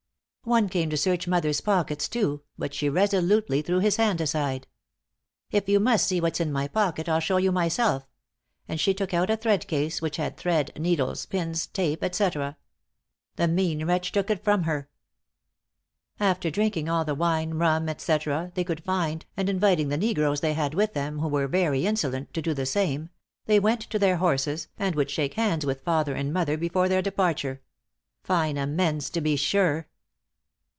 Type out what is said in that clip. "One came to search mothers pockets, too, but she resolutely threw his hand aside. 'If you must see what's in my pocket, I'll show you myself;' and she took out a thread case, which had thread, needles, pins, tape, &c. The mean wretch took it from her.". .. "After drinking all the wine, rum, &c., they could find, and inviting the negroes they had with them, who were very insolent, to do the same they went to their horses, and would shake hands with father and mother before their departure. Fine amends, to be sure!"